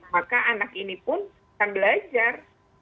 maka anak ini pun akan belajar